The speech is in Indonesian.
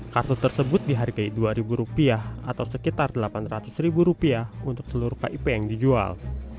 kartu tersebut dihargai rp dua atau sekitar delapan ratus untuk seluruh kip yang dijual